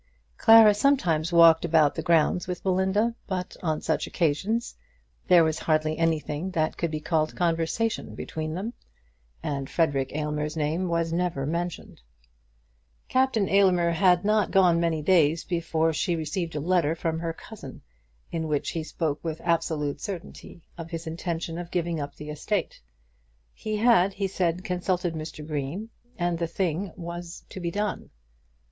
Clara sometimes walked about the grounds with Belinda, but on such occasions there was hardly anything that could be called conversation between them, and Frederic Aylmer's name was never mentioned. Captain Aylmer had not been gone many days before she received a letter from her cousin, in which he spoke with absolute certainty of his intention of giving up the estate. He had, he said, consulted Mr. Green, and the thing was to be done.